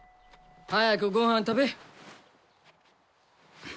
早くごはん食べ！